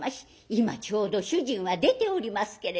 今ちょうど主人は出ておりますけれど。